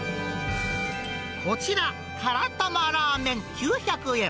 こちら、から玉ラーメン９００円。